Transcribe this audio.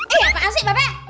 eh apaan sih pape